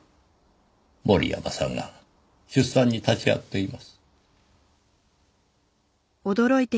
森山さんが出産に立ち会っています。